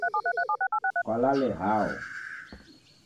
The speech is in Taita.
Kwalale hao